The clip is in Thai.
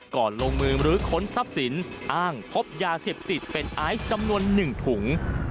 ลงมือมรื้อค้นทรัพย์สินอ้างพบยาเสพติดเป็นไอซ์จำนวน๑ถุง